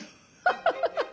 ハハハ。